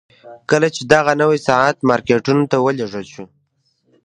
کله چې دغه نوی صنعت مارکیټونو ته ولېږل شو